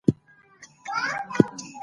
ښوونکي آنلاین مواد له شاګردانو سره شریکوي.